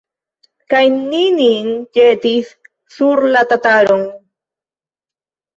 Kaj ni nin ĵetis sur la tataron.